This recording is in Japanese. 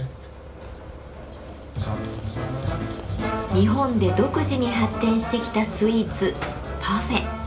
日本で独自に発展してきたスイーツ「パフェ」。